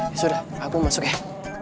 ya sudah aku masuk ya